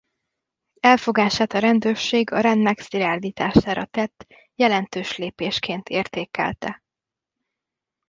Elfogását a rendőrség a rend megszilárdítására tett jelentős lépésként értékelte.